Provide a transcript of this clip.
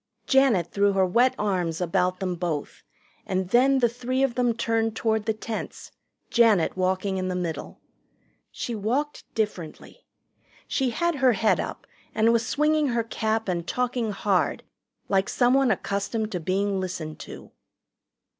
Janet threw her wet arms about them both, and then the three of them turned toward the tents, Janet walking in the middle. She walked differently. She had her head up and was swinging her cap and talking hard, like someone accustomed to being listened to.